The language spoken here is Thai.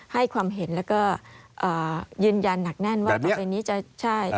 ให้ความเห็นแล้วก็ยืนยันหนักแน่นว่าต่อไปนี้จะใช่